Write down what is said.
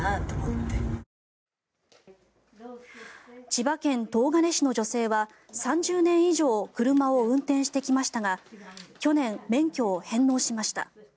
千葉県東金市の女性は３０年以上車を運転してきましたが去年、免許を返納しました。